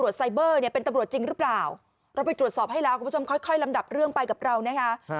เราไปตรวจสอบให้แล้วคุณผู้ชมค่อยลำดับเรื่องไปกับเรานะคะ